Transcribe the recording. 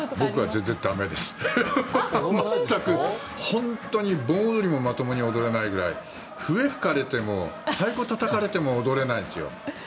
全く、本当に盆踊りもまともに踊れないくらい笛吹かれても太鼓をたたかれても踊れないですよ。